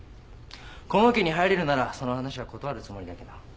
このオケに入れるならその話は断るつもりだけど。